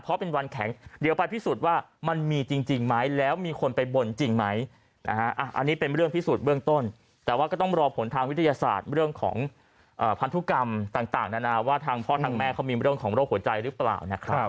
ติดตามตรวจสอบต่อนะฮะ